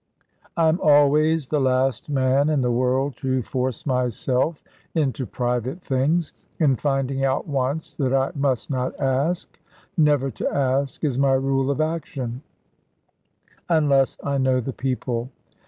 I am always the last man in the world to force myself into private things; and finding out once that I must not ask, never to ask is my rule of action, unless I know the people.